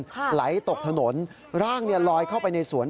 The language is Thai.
ไหลตกถนนร่างเนี่ยลอยเข้าไปในสวน